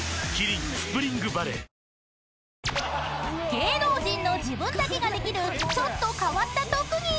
［芸能人の自分だけができるちょっと変わった特技］